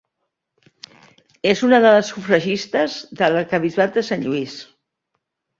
És una de les sufragistes de l'Arquebisbat de Sant Lluís.